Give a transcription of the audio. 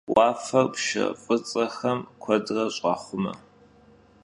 Vuafer pşşe f'ıts'exem kuedre ş'axhume.